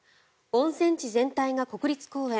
温泉地全体が国立公園